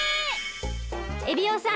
エビオさん